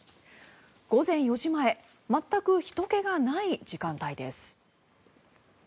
午前４時前、全くひとけがない時間帯です。